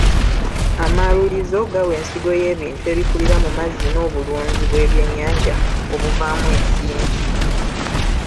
Amaalulizo gawa ensigo y'ebintu ebikulira mu mazzi n'obulunzi bw'ebyennyanja obuvaamu ensimbi.